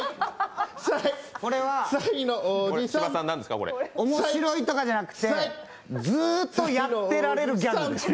これは、面白いとかじゃなくてずっとやってられるギャグです。